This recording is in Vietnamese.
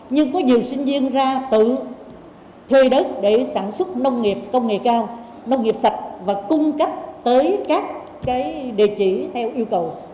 nhưng có nhiều sinh viên ra tự thuê đất để sản xuất nông nghiệp công nghệ cao nông nghiệp sạch và cung cấp tới các địa chỉ theo yêu cầu